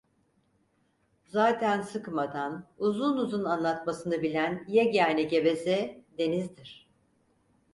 Zaten sıkmadan uzun uzun anlatmasını bilen yegâne geveze, denizdir.